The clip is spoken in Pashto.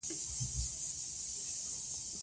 علامه حبيبي د علمي ژور تحلیل پلوی و.